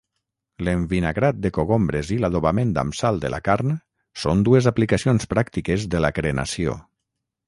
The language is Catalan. L'envinagrat de cogombres i l'adobament amb sal de la carn són dues aplicacions pràctiques de la crenació.